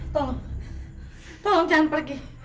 tolong tolong jangan pergi